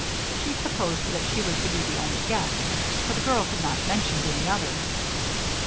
She supposed that she was to be the only guest, for the girls had not mentioned any other.